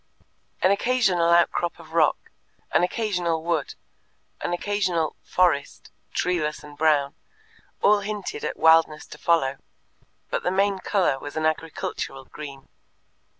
An occasional outcrop of rock, an occasional wood, an occasional "forest," treeless and brown, all hinted at wildness to follow, but the main colour was an agricultural green.